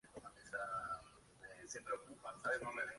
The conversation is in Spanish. Su hija menor, Carolina de Bentheim-Steinfurt fue una activa escritora.